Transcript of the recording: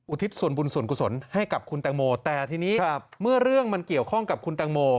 ทิศส่วนบุญส่วนกุศลให้กับคุณแตงโมแต่ทีนี้เมื่อเรื่องมันเกี่ยวข้องกับคุณแตงโม